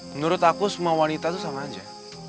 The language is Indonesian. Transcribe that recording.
menurut aku semua wanita itu sama aja